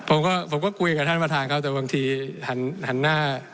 ผมก็ผมก็คุยกับท่านประธานเขาแต่บางทีหันหน้า